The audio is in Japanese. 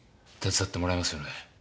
手伝ってもらえますよね？